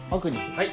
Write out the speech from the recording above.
はい。